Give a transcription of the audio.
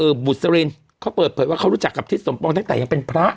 คือบุษรินเขาเปิดเผยว่าเขารู้จักกับทิศสมปองตั้งแต่ยังเป็นพระ